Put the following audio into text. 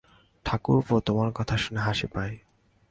ঠাকুরপো, তোমার কথা শুনে হাসি পায়।